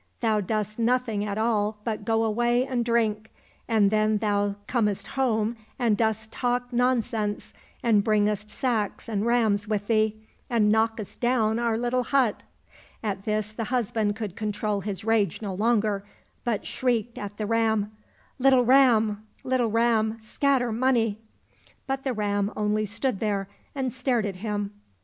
Thou dost nothing at all but go away and drink, and then thou comest home and dost talk nonsense, and bringest sacks and rams with thee, and knockest down our little hut." — At this the husband could control his rage no longer, but shrieked at the ram, " Little ram, little ram, scatter money !"— But the ram only stood there and stared at him.